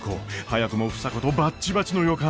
早くも房子とバッチバチの予感。